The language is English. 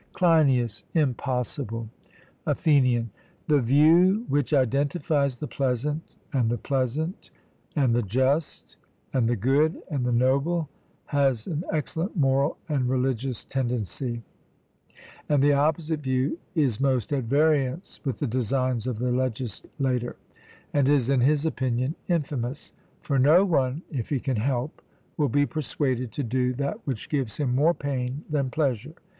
CLEINIAS: Impossible. ATHENIAN: The view which identifies the pleasant and the pleasant and the just and the good and the noble has an excellent moral and religious tendency. And the opposite view is most at variance with the designs of the legislator, and is, in his opinion, infamous; for no one, if he can help, will be persuaded to do that which gives him more pain than pleasure.